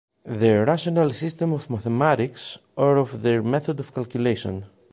Their rational system of mathematics, or of their method of calculation.